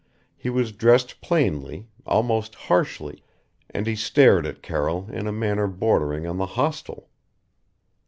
He was dressed plainly almost harshly, and he stared at Carroll in a manner bordering on the hostile.